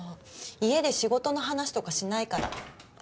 家で仕事の話とかしないから。